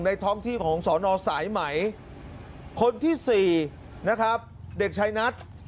ท้องที่ของสอนอสายไหมคนที่สี่นะครับเด็กชายนัท